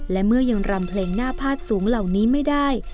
และเมื่อยังรำเพลงหน้าพาดสูงเหล่านี้ไม่ได้